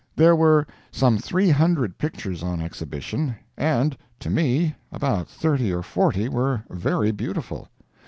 There were some three hundred pictures on exhibition, and, to me, about thirty or forty were very beautiful.